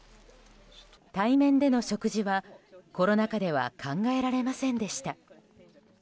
対面での食事はコロナ禍では考えられませんでした。